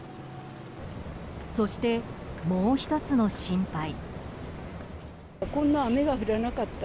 そして、もう一つの心配。